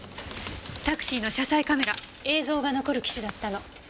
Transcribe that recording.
タクシーの車載カメラ映像が残る機種だったの。